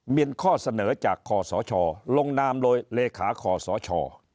มีข้อเสนอจากขอสอชอลงนามเลยเลขาขอสอชอ